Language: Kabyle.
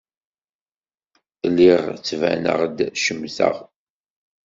Lliɣ ttbaneɣ-d cemteɣ.